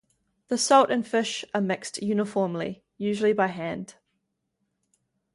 The salt and fish are mixed uniformly, usually by hand.